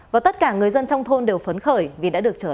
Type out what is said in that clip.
và tất cả người dân trong thôn đều phấn khởi